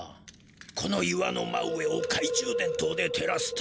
この岩の真上をかい中電とうでてらすと。